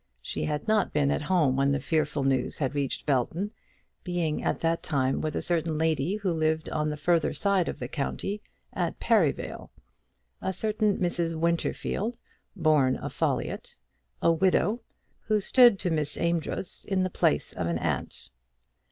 She had not been at home when the fearful news had reached Belton, being at that time with a certain lady who lived on the further side of the county, at Perivale, a certain Mrs. Winterfield, born a Folliott, a widow, who stood to Miss Amedroz in the place of an aunt.